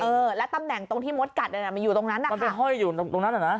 เออและตำแหน่งตรงที่มดกัดอยู่ตรงนั้นนะค่ะมันเป็นห้อยอยู่ตรงนั้นเหรอนะ